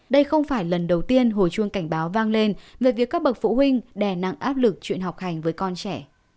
đây không phải lần đầu tiên hồi chuông cảnh báo vang lên về việc các bậc phụ huynh đè nặng áp lực chuyện học hành với con trẻ